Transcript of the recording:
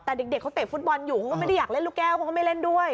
แต่เด็กเขาเตะฟุตบอลอยู่เขาก็ไม่ได้อยากเล่นลูกแก้วเขาก็ไม่เล่นด้วย